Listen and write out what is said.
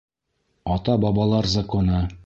Ата-бабалар законы!